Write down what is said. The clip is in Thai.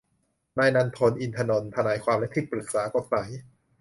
นายนันทน อินทนนท์ ทนายความและที่ปรึกษากฏหมาย